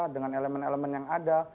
dengan elemen elemen yang ada